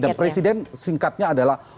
dan presiden singkatnya adalah